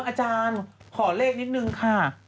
อาจารย์ขอเลขนิดนึงค่ะ